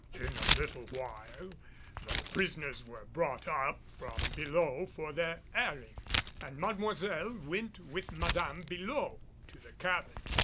In a little while the prisoners were brought up from below for their airing and Mademoiselle went with Madame below to the cabin.